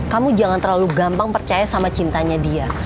kamu jangan terlalu gampang percaya sama cintanya dia